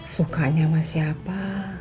suka sama siapa